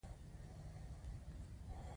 دا د کمیسیون رییس ته راپور ورکوي.